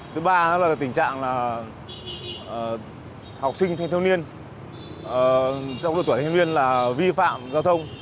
thứ ba là tình trạng học sinh thanh niên trong độ tuổi thanh niên là vi phạm giao thông